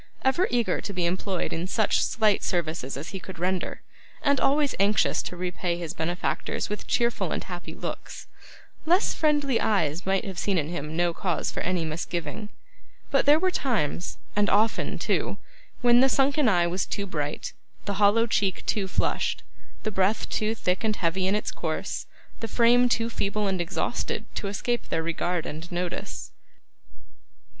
Ever eager to be employed in such slight services as he could render, and always anxious to repay his benefactors with cheerful and happy looks, less friendly eyes might have seen in him no cause for any misgiving. But there were times, and often too, when the sunken eye was too bright, the hollow cheek too flushed, the breath too thick and heavy in its course, the frame too feeble and exhausted, to escape their regard and notice.